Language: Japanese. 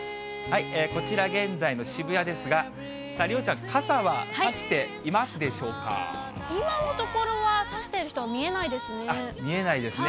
こちら、現在の渋谷ですが、梨央ちゃん、今のところは差している人は見えないですね。